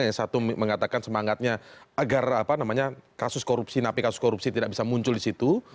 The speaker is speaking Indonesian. yang satu mengatakan semangatnya agar apa namanya kasus korupsi nafikan korupsi tidak bisa muncul di situ